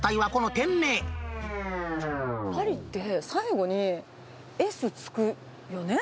パリって、最後にＳつくよね？